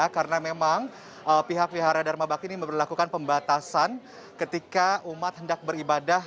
karena memang pihak wihara dharma bakti ini memperlakukan pembatasan ketika umat hendak beribadah